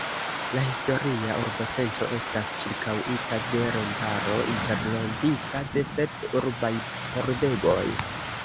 La historia urbocentro estas ĉirkaŭita de remparo, interrompita de sep urbaj pordegoj.